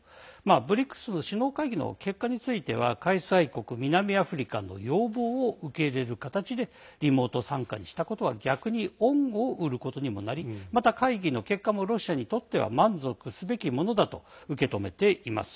ＢＲＩＣＳの首脳会議の結果については開催国、南アフリカの要望を受け入れる形でリモート参加にしたことは逆に恩を売ることにもなりまた会議の結果もロシアにとっては満足すべきものだと受け止めています。